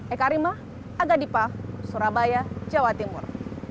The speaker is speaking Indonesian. eka arima aga dipa surabaya jawa timur